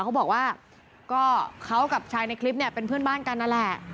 เขาบอกว่าก็เขากับชายในคลิปเนี่ยเป็นเพื่อนบ้านกันนั่นแหละ